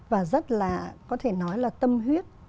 và rất là có thể nói là tâm huyết